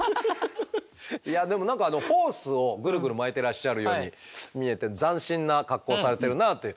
いやでも何かホースをぐるぐる巻いてらっしゃるように見えて斬新な格好をされてるなという。